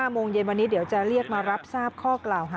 โมงเย็นวันนี้เดี๋ยวจะเรียกมารับทราบข้อกล่าวหา